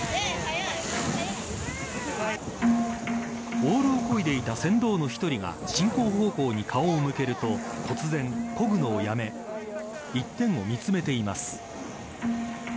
オールをこいでいた船頭の１人が進行方向に顔を向けると突然こぐのをやめ一点を見つめています。